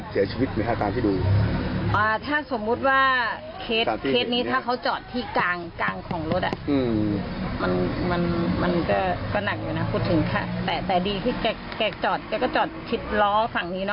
แต่ดีที่แกจอดแกก็จอดชิดล้อฝั่งนี้เนอะ